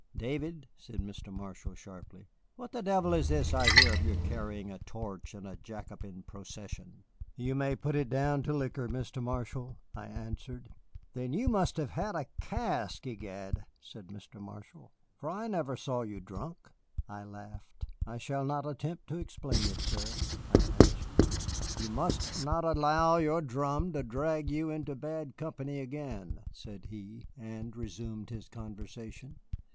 "David," said Mr. Marshall, sharply, "what the devil is this I hear of your carrying a torch in a Jacobin procession?" "You may put it down to liquor, Mr. Marshall," I answered. "Then you must have had a cask, egad," said Mr. Marshall, "for I never saw you drunk." I laughed. "I shall not attempt to explain it, sir," I answered. "You must not allow your drum to drag you into bad company again," said he, and resumed his conversation.